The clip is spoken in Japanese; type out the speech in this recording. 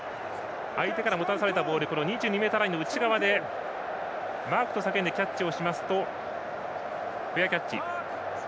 相手からもたらされたボール２２ｍラインの内側でマークと叫んでキャッチをしますとフェアキャッチ。